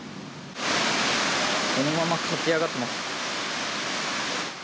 そのまま駆け上がってます。